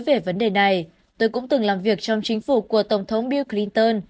với vấn đề này tôi cũng từng làm việc trong chính phủ của tổng thống bill clinton